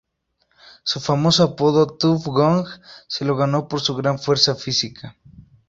Su famoso apodo "Tuff Gong" se lo ganó por su gran fuerza física.